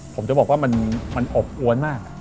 ผมจะบอกว่ามันอบอวนมาก